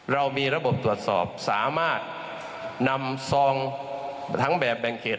เรามีระบบตรวจสอบสามารถนำซองทั้งแบบแบ่งเขต